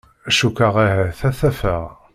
Cukkeɣ ahat ad t-afeɣ